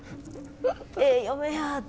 「ええ嫁や」って。